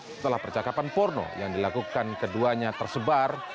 setelah percakapan porno yang dilakukan keduanya tersebar